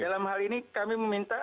dalam hal ini kami meminta